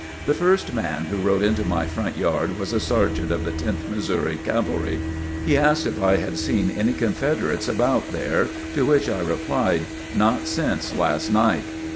The first man who rode into my front yard was a sergeant of the Tenth Missouri Cavalry. He asked if I had seen any Confederates about there, to which I replied: "Not since last night."